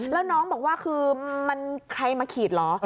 แล้วน้องบอกว่าคือมันใครมาขีดเหรอ